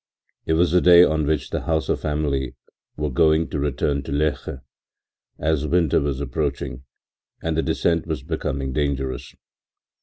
It was the day on which the Hauser family were going to return to Loeche, as winter was approaching, and the descent was becoming dangerous.